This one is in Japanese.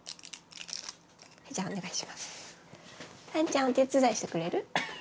燦ちゃんお手伝いしてくれる？